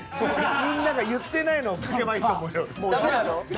みんなが言ってないのを書けばいいと思いよる。